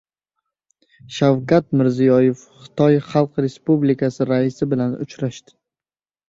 Shavkat Mirziyoyev Xitoy Xalq Respublikasi raisi bilan uchrashdi